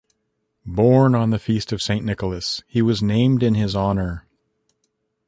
Born on the feast of Saint Nicholas, he was named in his honour.